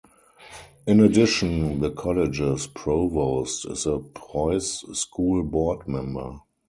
In addition, the College's Provost is a Preuss School Board Member.